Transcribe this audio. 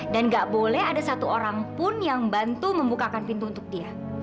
dan nggak boleh ada satu orang pun yang membantu membukakan pintu untuk dia